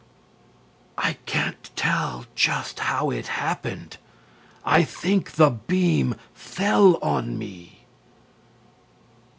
a. "I can't tell just how it happened; I think the beam fell on me."